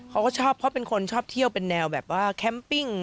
เขาก็ชอบเพราะเป็นคนชอบเที่ยวเป็นแนวแบบว่าแคมปิ้ง